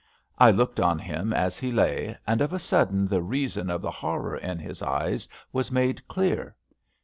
I looked on him as he lay, and of a sudden the reason of the hor ror in his eyes was made clear.